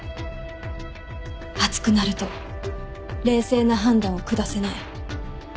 熱くなると冷静な判断を下せない。